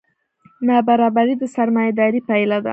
نابرابري د سرمایهدارۍ پایله ده.